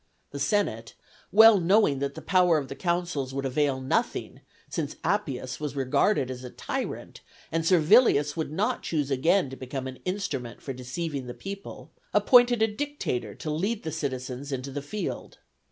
The senate, well knowing that the power of the consuls would avail nothing, since Appius was regarded as a tyrant, and Servilius would not choose again to become an instrument for deceiving the people, appointed a dictator to lead the citizens into the field.